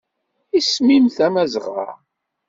Isem-im Tamazɣa.